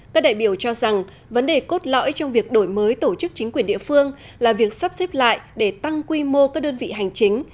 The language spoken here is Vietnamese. các đại biểu cho rằng vấn đề cốt lõi trong việc đổi mới tổ chức chính quyền địa phương là việc sắp xếp lại để tăng quy mô các đơn vị hành chính